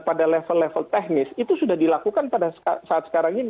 pada level level teknis itu sudah dilakukan pada saat sekarang ini